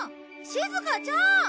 しずかちゃーん！